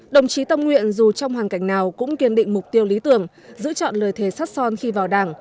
đồng chí tâm nguyện dù trong hoàn cảnh nào cũng kiên định mục tiêu lý tưởng giữ chọn lời thề sát son khi vào đảng